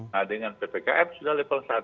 nah dengan ppkm sudah level satu